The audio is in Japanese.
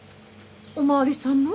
お巡りさんの？